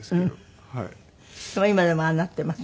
でも今でもああなっています？